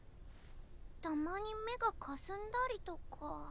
たまに目がかすんだりとか。